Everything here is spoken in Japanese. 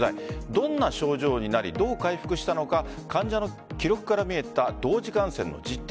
どんな症状になりどう回復したのか患者の記録から見えた同時感染の実態。